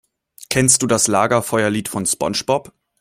Kennst du das Lagerfeuerlied von SpongeBob?